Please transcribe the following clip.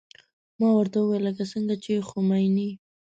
ما ورته وويل لکه څنګه چې خميني.